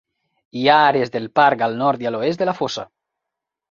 Hi ha àrees del parc al nord i a l'oest de la fossa.